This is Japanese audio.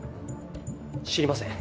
知りません。